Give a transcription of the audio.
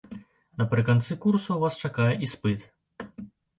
Напрыканцы курсаў вас чакае іспыт.